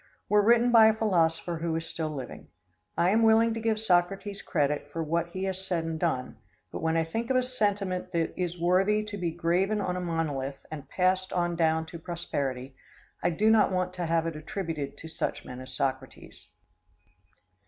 were written by a philosopher who is still living. I am willing to give Socrates credit for what he has said and done, but when I think of a sentiment that is worthy to be graven on a monolith and passed on down to prosperity, I do not want to have it attributed to such men as Socrates.